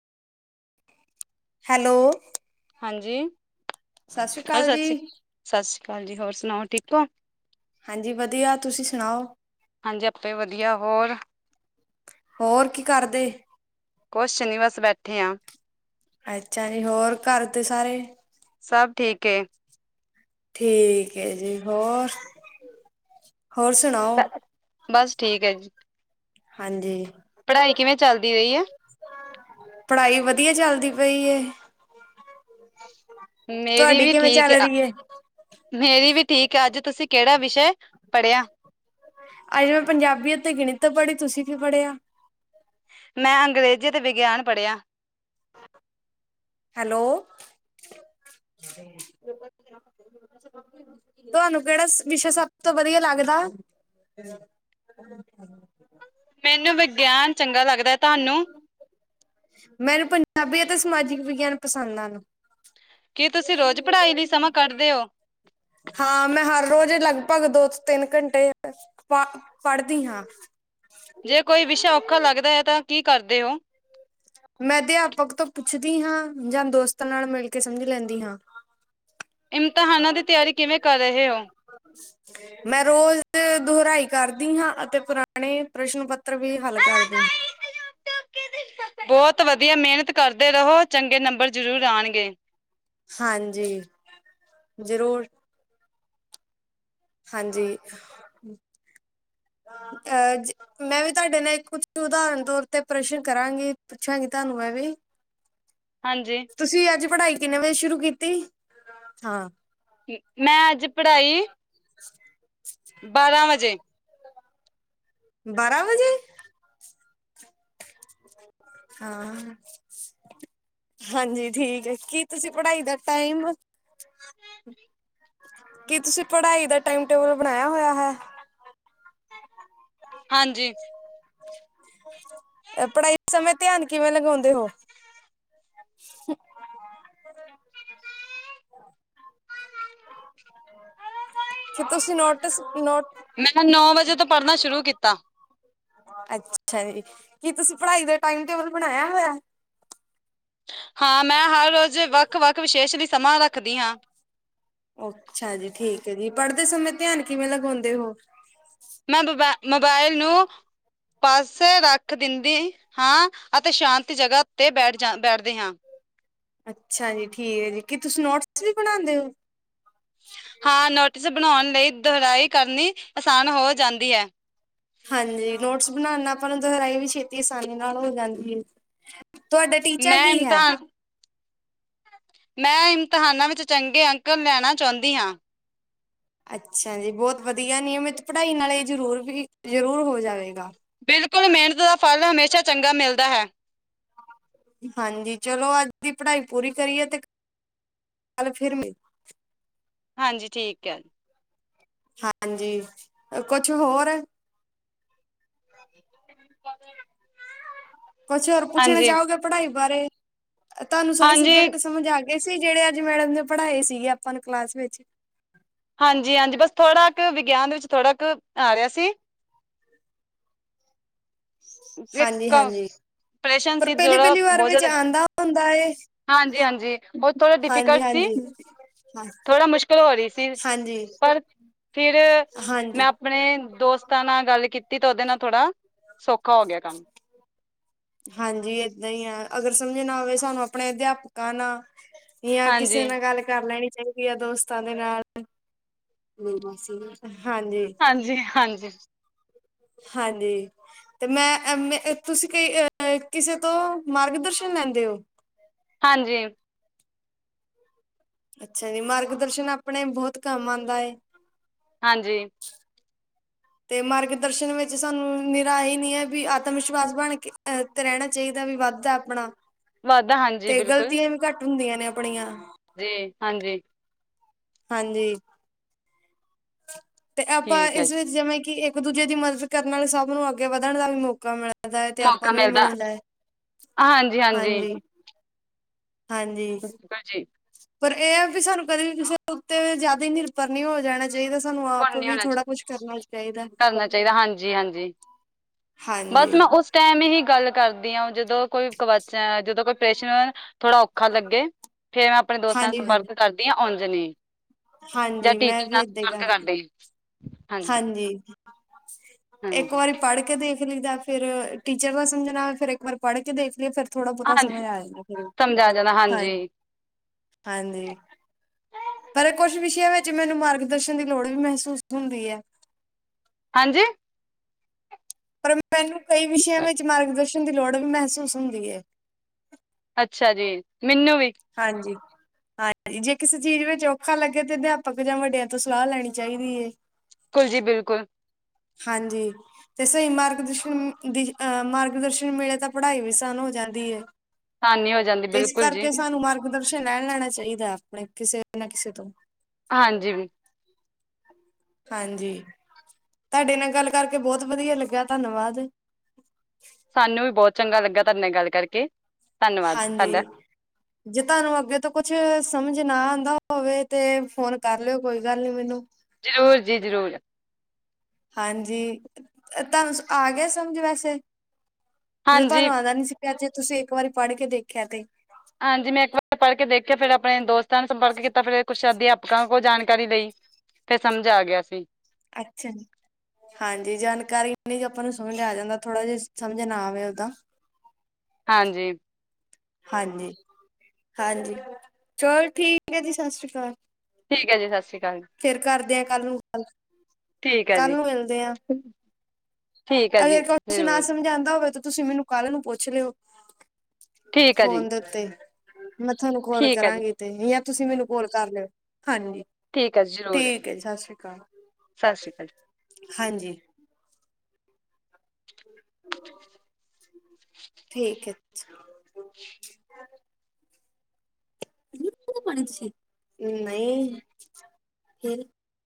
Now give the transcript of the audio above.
Hello ਹਾਂਜੀ ਸਤਿ ਸ਼੍ਰੀ ਹੈਲੋ ਅਕਾਲ ਸਤਿ ਜੀ ਸ਼੍ਰੀ ਸਤਿ ਸ਼੍ਰੀ ਅਕਾਲ ਜੀ ਹੋਰ ਸੁਣਾਓ ਠੀਕ ਹੋ ਹਾਂਜੀ ਵਧੀਆ ਤੁਸੀਂ ਸੁਣਾਓ ਹਾਂਜੀ ਆਪੇ ਵਧੀਆ ਹੋਰ ਹੋਰ ਕੀ ਕਰਦੇ ਕੁਛ ਨੀ ਬਸ ਬੈਠੇ ਹਾਂ। ਅੱਛਾ ਨੀ ਹੋਰ ਘਰ ਦੇ ਸਾਰੇ ਸਭ ਠੀਕ ਏ ਠੀਕ ਹੈ ਜੀ ਹੋਰ ਹੋਰ ਸੁਣਾਓ ਬਸ ਠੀਕ ਹੈ ਜੀ ਹਾਂਜੀ ਪੜ੍ਹਾਈ ਕਿਵੇਂ ਚੱਲਦੀ ਰਹੀ ਹੈ ਪੜ੍ਹਾਈ ਵਧੀਆ ਚੱਲਦੀ ਪਈ ਮੇਰੀ ਤੁਹਾਡੀ ਵੀ ਕਿਵੇਂ ਠੀਕ ਚੱਲ ਰਹੀ ਹੈ? ਮੇਰੀ ਵੀ ਠੀਕ ਅੱਜ ਤੁਸੀਂ ਕਿਹੜਾ ਵਿਸ਼ੇ ਪੜ੍ਹਿਆ? ਅੱਜੇ ਮੈਂ ਪੰਜਾਬੀ ਅਤੇ ਗਣਿਤ ਪੜ੍ਹੀ ਤੁਸੀਂ ਕੀ ਪੜ੍ਹਿਆ? ਮੈਂ ਅੰਗਰੇਜ਼ੀ ਤੇ ਵਿਗਿਆਨ ਪੜ੍ਹਿਆ। ਹੈਲੋ, ਤੁਹਾਨੂੰ ਕਿਹੜਾ ਵਿਸ਼ਾ ਸਭ ਤੋਂ ਵਧੀਆ ਲੱਗਦਾ? ਹ [inaudible] ਮੈਨੂੰ ਵਿਗਿਆਨ ਚੰਗਾ ਲੱਗਦਾ। ਤੁਹਾਨੂੰ? ਮੈਨੂੰ ਪੰਜਾਬੀ ਅਤੇ ਸਮਾਜਿਕ ਵਿਗਿਆਨ ਪਸੰਦ ਹਨ। ਕੀ ਤੁਸੀਂ ਰੋਜ਼ ਪੜ੍ਹਾਈ ਲਈ ਸਮਾਂ ਕੱਢਦੇ ਹੋ? ਹਾਂ। ਮੈਂ ਹਰ ਰੋਜ਼ ਲਗਭਗ ਦੋ ਤੋਂ ਤਿੰਨ ਘੰਟੇ ਪ ਪੜ੍ਹਦੀ ਹਾਂ। ਜੇ ਕੋਈ ਵਿਸ਼ਾ ਔਖਾ ਲੱਗਦਾ ਹੈ ਤਾਂ ਕੀ ਕਰਦੇ ਹੋ? ਮੈਂ ਅਧਿਆਪਕ ਤੋਂ ਪੁੱਛਦੀ ਹਾਂ। ਜਾਂ ਦੋਸਤਾਂ ਨਾਲ ਮਿਲ ਕੇ ਸਮਝ ਲੈਂਦੀ ਹਾਂ। ਇਮਤਿਹਾਨਾਂ ਦੀ ਤਿਆਰੀ ਕਿਵੇਂ ਕਰ ਰਹੇ ਹੋ? ਜ [inaudible] ਮੈਂ ਰੋਜ਼ ਦੁਹਰਾਈ ਕਰਦੀ ਹਾਂ। ਅਤੇ ਪੁਰਾਣੇ ਪ੍ਰਸ਼ਨ ਪੱਤਰ ਵੀ ਹੱਲ ਕਰਦੀ ਹਾਂ। ਬਹੁਤ ਵਧੀਆ ਮਿਹਨਤ ਕਰਦੇ ਰਹੋ ਚੰਗੇ ਨੰਬਰ ਜ਼ਰੂਰ ਆਉਣਗੇ। ਹਾਂਜੀ। ਜ਼ਰੂਰ। ਹਾਂਜੀ। ਅਹ ਮੈਂ ਵੀ ਤੁਹਾਡੇ ਨਾਲ ਇੱਕ ਕੁਛ ਉਦਾਹਰਨ ਤੌਰ ਤੇ ਪ੍ਰਸ਼ਨ ਕਰਾਂਗੀ? ਪੁੱਛਾਂਗੀ। ਤੁਹਾਨੂੰ ਮੈਂ ਵੀ? ਹਾਂਜੀ। ਤੁਸੀਂ ਅੱਜ ਪੜ੍ਹਾਈ ਕਿੰਨੇ ਵਜੇ ਸ਼ੁਰੂ ਕੀਤੀ? ਹਾਂ। ਮੈਂ ਅੱਜ ਪੜ੍ਹਾਈ ਬਾਰਾਂ ਵਜੇ। ਬਾਰਾਂ ਵਜੇ। ਹਾਂ। ਹਾਂਜੀ। ਠੀਕ ਹੈ, ਕੀ ਤੁਸੀਂ ਪੜ੍ਹਾਈ ਦਾ ਟਾਈਮ ਕੀ ਤੁਸੀਂ ਪੜ੍ਹਾਈ ਦਾ ਟਾਈਮ ਟੇਬਲ ਬਣਾਇਆ ਹੋਇਆ ਹੈ? ਹਾਂਜੀ। ਅ ਪੜ੍ਹਾਈ ਸਮੇਂ ਧਿਆਨ ਕਿਵੇਂ ਲਗਾਉਂਦੇ ਹੋ? [inaudible] ਤੇ ਤੁਸੀਂ ਨੋਟਿਸ ਨੋਟ ਮੈਂ ਨੌ ਵਜੇ ਤੋਂ ਪੜ੍ਹਨਾ ਸ਼ੁਰੂ ਕੀਤਾ। ਅੱਛਾ ਜੀ। ਕੀ ਤੁਸੀਂ ਪੜ੍ਹਾਈ ਦਾ ਟਾਈਮ ਟੇਬਲ ਬਣਾਇਆ ਹੋਇਆ? ਹਾਂ। ਮੈਂ ਹਰ ਰੋਜ਼ ਵੱਖ -ਵੱਖ ਵਿਸ਼ੇਸ਼ ਲਈ ਸਮਾਂ ਰੱਖਦੀ ਹਾਂ। ਅੱਛਾ ਜੀ। ਠੀਕ ਹੈ ਜੀ, ਪੜ੍ਹਦੇ ਸਮੇਂ ਧਿਆਨ ਕਿਵੇਂ ਲਗਾਉਂਦੇ ਉਹ? ਮੈਂ ਮੋਬ- ਮੋਬਾਇਲ ਨੂੰ ਪਾਸੇ ਰੱਖ ਦਿੰਦੀ। ਹਾਂ। ਅਤੇ ਸ਼ਾਂਤੀ ਜਗ੍ਹਾ ਤੇ ਬੈਠ ਜਾ ਬੈਠਦੇ ਹਾਂ। ਅੱਛਾ ਜੀ। ਠੀਕ ਹੈ ਜੀ। ਕੀ ਤੁਸੀਂ ਨੋਟਸ ਵੀ ਬਣਾਉਂਦੇ ਹੋ? ਹਾਂ। ਨੋਟਿਸ ਬਣਾਉਣ ਲਈ ਦੁਹਰਾਈ ਕਰਨੀ ਆਸਾਨ ਹੋ ਜਾਂਦੀ ਹੈ। ਹਾਂਜੀ। ਨੋਟਸ ਬਣਾਉਣਾ ਆਪਾਂ ਨੂੰ ਦੁਹਰਾਈ ਵੀ ਛੇਤੀ ਆਸਾਨੀ ਨਾਲ ਹੋ ਜਾਂਦੀ ਹੈ। ਤੁਹਾਡਾ ਟੀਚਾ ਮੈਂ ਕੀ ਹੈ? ਇਮਤਿਹਾਨ ਮੈਂ ਇਮਤਿਹਾਨਾਂ ਵਿੱਚ ਚੰਗੇ ਅੰਕ ਲੈਣਾ ਚਾਹੁੰਦੀ ਹਾਂ। ਅੱਛਾ ਜੀ। ਬਹੁਤ ਵਧੀਆ ਨਿਯਮਿਤ ਪੜ੍ਹਾਈ ਨਾਲ ਇਹ ਜ਼ਰੂਰ ਵੀ ਜ਼ਰੂਰ ਹੋ ਜਾਵੇਗਾ। ਬਿਲਕੁਲ, ਮਿਹਨਤ ਦਾ ਫਲ ਹਮੇਸ਼ਾ ਚੰਗਾ ਮਿਲਦਾ ਹੈ। ਹਾਂਜੀ। ਚਲੋ, ਅੱਜ ਦੀ ਪੜ੍ਹਾਈ ਪੂਰੀ ਕਰੀਏ ਤੇ ਕੱਲ ਫਿਰ ਮ ਹਾਂਜੀ ਠੀਕ ਹੈ ਹਾਂਜੀ ਕੁਛ ਹੋਰ ਕੁਛ ਹੋਰ ਪੁੱਛਣਾ ਹਾਂਜੀ, ਚਾਹੋਗੇ ਪੜਾਈ ਬਾਰੇ ਤੁਹਾਨੂੰ ਸਾਰੇ ਹਾਂਜੀ, ਸਬਜੈਕਟ ਸਮਝ ਆ ਗ ਸੀ ਜਿਹੜੇ ਅੱਜ ਮੈਡਮ ਨੇ ਪੜ੍ਹਾਏ ਸੀਗੇ ਆਪਾਂ ਨੂੰ ਕਲਾਸ ਵਿੱਚ ਹਾਂਜੀ ਹਾਂਜੀ ਬਸ ਥੋੜਾ ਕੁ ਵਿਗਿਆਨ ਵਿੱਚ ਥੋੜਾ ਕੁ ਆ ਰਿਹਾ ਸੀ ਇੱਕ ਹਾਂਜੀ ਹਾਂਜੀ ਕੰਪਰੇਸ਼ਨ ਪਰ ਸੀ ਪਹਿਲੀ ਥੋੜਾ ਪਹਿਲੀ ਵਾਰ ਬਹੁਤ ਵਿੱਚ ਜ਼ਿਆਦਾ ਆਉਂਦਾ ਹੁੰਦਾ ਹਾਂਜੀ ਹਾਂਜੀ ਉਹ ਥੋੜਾ ਹਾਂਜੀ ਡਿਫੀਕਲਟ ਸੀ ਹਾਂਜੀ ਹਾਂ ਥੋੜਾ ਮੁਸ਼ਕਿਲ ਹੋ ਰਹੀ ਸੀ ਹਾਂਜੀ ਪਰ ਫਿਰ ਮੈਂ ਹਾਂਜੀ ਆਪਣੇ ਦੋਸਤਾਂ ਨਾਲ ਗੱਲ ਕੀਤੀ ਤਾਂ ਉਹਦੇ ਨਾਲ ਥੋੜਾ ਸੌਖਾ ਹੋ ਗਿਆ ਕੰਮ ਹਾਂਜੀ ਏਦਾਂ ਹੀ ਹੈ ਅਗਰ ਸਮਝ ਨਾ ਆਵੇ ਸਾਨੂੰ ਆਪਣੇ ਅਧਿਆਪਕਾਂ ਨਾਲ ਜਾਂ ਹਾਂਜੀ, ਕਿਸੇ ਨਾਲ ਗੱਲ ਕਰ ਲੈਣੀ ਚਾਹੀਦੀ ਦੋਸਤਾਂ ਦੇ ਨਾਲ ਹਾਂਜੀ ਹਾਂਜੀ ਹਾਂਜੀ ਹਾਂਜੀ ਤੇ ਮੈਂ ਮ ਤੁਸੀਂ ਕਈ ਕਿਸੇ ਤੋਂ ਮਾਰਗ ਦਰਸ਼ਨ ਲੈਂਦੇ ਹੋ ਹਾਂਜੀ ਅੱਛਾ ਜੀ ਮਾਰਗ ਦਰਸ਼ਨ ਆਪਣੇ ਬਹੁਤ ਕੰਮ ਆਉਂਦਾ ਹੈ। ਹਾਂਜੀ [inaudible] ਤੇ ਮਾਰਗ ਦਰਸ਼ਨ ਵਿੱਚ ਸਾਨੂੰ ਨਿਰਾਸ਼ ਨੀ ਹੈ ਵੀ ਆਤਮ ਵਿਸ਼ਵਾਸ ਬਣ ਕੇ ਅ ਤੇ ਰਹਿਣਾ ਚਾਹੀਦਾ ਵੀ ਵੱਧਦਾ ਆਪਣਾ ਵਾਧਾ ਹਾਂਜੀ ਤੇ ਬਿਲਕੁਲ ਗਲਤੀਆਂ ਵੀ ਘੱਟ ਹੁੰਦੀਆਂ ਨੇ ਆਪਣੀਆਂ। ਜੀ ਹਾਂਜੀ। ਹਾਂਜੀ। ਤੇ ਆਪਾਂ ਠੀਕ ਹੈ ਇਸ ਜੀ ਵਿੱਚ ਜਿਵੇਂ ਕਿ ਇੱਕ ਦੂਜੇ ਦੀ ਮਦਦ ਕਰਨ ਨਾਲ ਸਭ ਨੂੰ ਅੱਗੇ ਵਧਣ ਦਾ ਵੀ ਮੌਕਾ ਮਿਲੇ। ਮੌਕਾ ਮਿਲਦਾ, ਅ ਹਾਂਜੀ-ਹਾਂਜੀ। ਹਾਂਜੀ ਹਾਂਜੀ। ਬਿਲਕੁਲ ਜੀ ਪਰ ਇਹ ਹੈ ਵੀ ਸਾਨੂੰ ਕਦੇ ਵੀ ਕਿਸੇ ਉੱਤੇ ਜ਼ਿਆਦਾ ਹੀ ਨਿਰਭਰ ਨਹੀਂ ਹੋ ਜਾਣਾ। ਚਾਹੀਦਾ, ਸਾਨੂੰ ਆਪ ਪੁੰਨ ਵੀ ਹੋਣਾ ਚ- ਥੋੜਾ ਕੁਛ ਕਰਨਾ ਚਾਹੀਦਾ। ਕਰਨਾ ਚਾਹੀਦਾ ਹਾਂਜੀ ਹਾਂਜੀ ਹਾਂਜੀ। ਬਸ ਮੈਂ ਉਸ ਟਾਈਮ ਹੀ ਗੱਲ ਕਰਦੀ ਹਾਂ, ਜਦੋਂ ਕੋਈ ਕਵਚਾ ਜਦੋਂ ਕੋਈ ਪ੍ਰੇਸ਼ਨ। ਥੋੜਾ ਔਖਾ ਲੱਗੇ, ਫਿਰ ਮੈਂ ਆਪਣੇ ਦੋਸਤਾਂ ਨਾਲ ਹਾਂਜੀ ਹਾਂਜੀ ਸੰਪਰਕ ਕਰਦੀ ਹਾਂ ਉਂਜਨੀ। ਜਾਂ ਹਾਂਜੀ ਟੀਚੇ ਮੈਂ ਵੀ ਦਾ ਏਦਾਂ ਹੀ ਸਰਕ ਕਰਦੀ ਕਰਦੇ ਹਾਂਜੀ ਇੱਕ ਹਾਂਜੀ ਵਾਰੀ ਪੜ੍ਹ ਕੇ ਦੇਖ ਲਦਾ ਫਿਰ ਟੀਚਰ ਦਾ ਸਮਝਣਾ ਫਿਰ ਇੱਕ ਵਾਰ ਪੜ੍ਹ ਕੇ ਦੇਖ ਲਈਏ ਫਿਰ ਥੋੜਾ ਬਹੁਤਾ ਸਮਝ ਹਾਂਜੀ ਆ ਜਾਂਦਾ ਫਿਰ ਸਮਝਾ ਜਾਣਾ ਹਾਂਜੀ ਹਾਂਜੀ ਪਰ ਕੁਝ ਵਿਸ਼ਿਆਂ ਵਿੱਚ ਮੈਨੂੰ ਮਾਰਗ ਦਰਸ਼ਨ ਦੀ ਲੋੜ ਵੀ ਮਹਿਸੂਸ ਹੁੰਦੀ ਹੈ। ਹਾਂਜੀ। ਪਰ ਮੈਨੂੰ ਕਈ ਵਿਸ਼ਿਆਂ ਵਿੱਚ ਮਾਰਗਦਰਸ਼ਨ ਦੀ ਲੋੜ ਵੀ ਮਹਿਸੂਸ ਹੁੰਦੀ ਹੈ। ਅੱਛਾ ਜੀ, ਮੈਨੂੰ ਵੀ। ਹਾਂਜੀ। ਹਾਂਜੀ, ਜੇ ਕਿਸੇ ਚੀਜ਼ ਵਿੱਚ ਔਖਾ ਲੱਗੇ ਤੇ ਅਧਿਆਪਕ ਜਾਂ ਵੱਡਿਆਂ ਤੋਂ ਸਲਾਹ ਲੈਣੀ ਚਾਹੀਦੀ ਹੈ। ਬਿਲਕੁਲ ਜੀ ਬਿਲਕੁਲ। ਹਾਂਜੀ। ਤੇ ਸਹੀ ਮਾਰਗ ਦਰਸ਼ਨ ਮ-ਦੀ-ਅ-ਮਾਰਗ ਦਰਸ਼ਨ ਮਿਲੇ ਤਾਂ ਪੜ੍ਹਾਈ ਵੀ ਆਸਾਨ ਹੋ ਜਾਂਦੀ ਹੈ। ਆਸਾਨੀ ਹੋ ਜਾਂਦੀ ਤੇ, ਇਸ ਬਿਲਕੁਲ ਜੀ ਕਰਕੇ ਸਾਨੂੰ ਮਰ- ਪ੍ਰਦਰਸ਼ਨ ਲੈਣ ਲੈਣਾ ਚਾਹੀਦਾ, ਆਪਣੇ ਕਿਸੇ ਨਾ ਕਿਸੇ ਤੋਂ। ਹਾਂਜੀ ਵੀ। ਹਾਂਜੀ, ਤੁਹਾਡੇ ਨਾਲ ਗੱਲ ਕਰਕੇ ਬਹੁਤ ਵਧੀਆ ਲੱਗਿਆ ਧੰਨਵਾਦ। ਸਾਨੂੰ ਵੀ ਬਹੁਤ ਚੰਗਾ ਲੱਗਾ ਤੁਹਾਡੇ ਨਾਲ ਗੱਲ ਕਰਕੇ। ਧੰਨਵਾਦ ਸਾਡਾ ਹਾਂਜੀ। ਜੇ ਤੁਹਾਨੂੰ ਅੱਗੇ ਤੋਂ ਕੁਛ ਸਮਝ ਨਾ ਆਉਂਦਾ ਹੋਵੇ ਤੇ ਫੋਨ ਕਰ ਲਿਓ ਕੋਈ ਗੱਲ ਨੀ ਮੈਨੂੰ। ਜ਼ਰੂਰ ਜੀ ਜ਼ਰੂਰ। ਹਾਂਜੀ ਤੁਹਾਨੂੰ ਆ ਗਿਆ ਸਮਝ ਵੈਸੇ, ਜਦੋਂ ਹਾਂਜੀ ਤੁਹਾਨੂੰ ਆਉਂਦਾ ਨੀ ਸੀ। ਜੇ ਤੁਸੀਂ ਇੱਕ ਵਾਰੀ ਪੜ੍ਹ ਕੇ ਦੇਖਿਆ ਤੇ। ਹਾਂਜੀ, ਮੈਂ ਇੱਕ ਵਾਰ ਪੜ੍ਹ ਕੇ ਦੇਖਿਆ ਫਿਰ ਆਪਣੇ ਦੋਸਤਾਂ ਨੂੰ ਸੰਪਰਕ ਕੀਤਾ ਫਿਰ ਕੁੱਛ ਅਧਿਆਪ -'- ਕਾ ਕੋਲ ਜਾਣਕਾਰੀ ਲਈ, ਫਿਰ ਸਮਝ ਆ ਗਿਆ ਸੀ। ਅੱਛਾ ਜੀ। ਹਾਂਜੀ, ਜਾਣਕਾਰੀਨੀ ਆਪਾਂ ਨੂੰ ਸਮਝ ਆ ਜਾਂਦਾ ਥੋੜ੍ਹਾ ਜਿਹਾ ਸਮਝ ਨਾ ਆਵੇ ਔਦਾ। ਹਾਂਜੀ। ਹਾਂਜੀ-ਹਾਂਜੀ, ਚਲ ਠੀਕ ਹੈ ਜੀ ਸਤਿ ਸ਼੍ਰੀ ਅਕਾਲ। ਠੀਕ ਹੈ ਜੀ, ਸੱਤ ਸ਼੍ਰੀ ਆਕਾਲ। ਫੇਰ ਕਰਦੇ ਆ, ਕੱਲ ਨੂੰ ਗੱਲ। ਠੀਕ ਹੈ ਕੱਲ ਜੀ। ਨੂੰ ਮਿਲਦੇ ਆ ਠੀਕ ਹੈ ਜੀ ਅਗਰ ਕੁੱਛ ਨਾ ਜ਼ਰੂਰ ਸਮਝ ਆਉਂਦਾ ਹੋਵੇ ਤਾਂ ਤੁਸੀਂ ਮੈਨੂੰ- ਕੱਲ ਨੂੰ ਪੁੱਛ ਲਿਓ, ਠੀਕ ਹੈ ਜੀ ਫੋਨ ਦੇ ਉੱਤੇ, ਮੈਂ ਤੁਹਾਨੂੰ ਕਾਲ ਠੀਕ ਹੈ ਜੀ ਕਰਾਂਗੀ। ਤੇ ਜਾਂ ਤੁਸੀਂ ਮੈਨੂੰ ਕੋਲ ਕਰ ਲਿਓ, ਹਾਂਜੀ। ਠੀਕ ਹੈ ਜੀ ਜ਼ਰੂਰ ਠੀਕ ਹੈ ਜੀ ਸਤਿ ਸ੍ਰੀ ਅਕਾਲ, ਸਤਿ ਸ਼੍ਰੀ ਅਕਾਲ ਹਾਂਜੀ। ਠੀਕ ਹੈ। ਨਹੀਂ